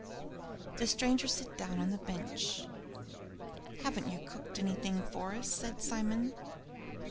The stranger sat down on the bench. "Haven't you cooked anything for us?" said Simon.